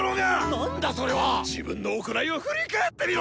何だそれは⁉自分の行いを振り返ってみろ！